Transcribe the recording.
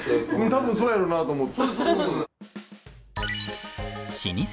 多分そうやろうなと思って。